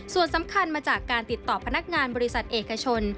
ส่วนสำคัญมาจากการติดต่อพนักงานบริษัทเอกชน